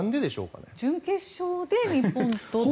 準決勝で日本とという。